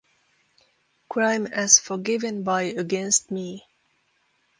Crime as Forgiven by Against Me!